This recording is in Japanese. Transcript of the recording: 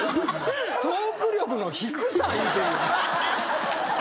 トーク力の低さ言うてる。